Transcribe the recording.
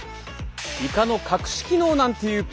イカの隠し機能なんていうページも。